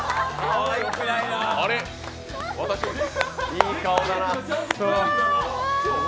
いい顔だな。